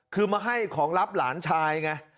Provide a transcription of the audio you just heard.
คือมาให้ของรับหลานชายไง